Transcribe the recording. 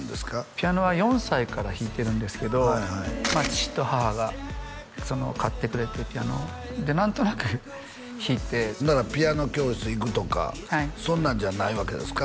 ピアノは４歳から弾いてるんですけど父と母が買ってくれてピアノをで何となく弾いてほんならピアノ教室行くとかそんなんじゃないわけですか？